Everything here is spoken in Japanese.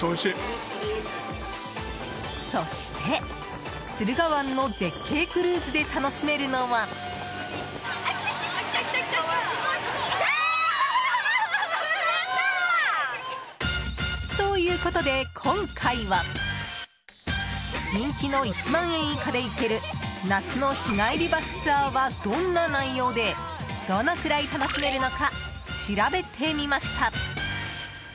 そして、駿河湾の絶景クルーズで楽しめるのは。ということで、今回は人気の１万円以下で行ける夏の日帰りバスツアーはどんな内容でどのくらい楽しめるのか調べてみました。